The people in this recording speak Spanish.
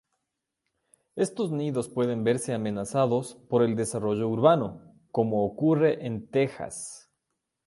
Estos nidos pueden verse amenazados por el desarrollo urbano, como ocurre en Texas.